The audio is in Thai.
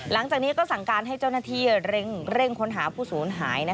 หลังจากนี้ก็สั่งการให้เจ้าหน้าที่เร่งค้นหาผู้สูญหาย